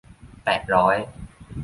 แปดร้อย